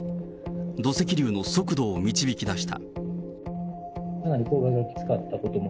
土石流の速度を導き出した。